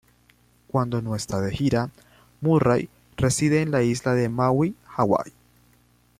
Cuando no está de gira, Murray reside en la isla de Maui, Hawaii.